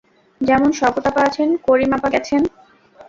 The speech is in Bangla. যেমন, শওকত আপা আছেন, করিম মারা গেছেন।